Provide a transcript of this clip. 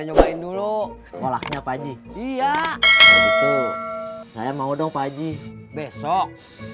nyobain dulu kolaknya pakji iya saya mau dong pakji besok